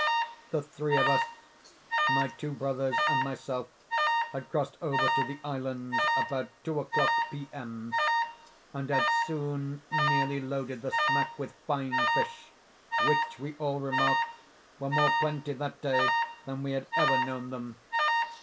"The three of us—my two brothers and myself—had crossed over to the islands about two o'clock P. M., and had soon nearly loaded the smack with fine fish, which, we all remarked, were more plenty that day than we had ever known them.